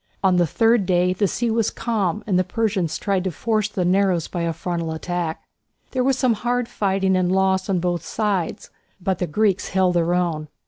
On the third day the sea was calm and the Persians tried to force the narrows by a frontal attack. There was some hard fighting and loss on both sides, but the Greeks held their own.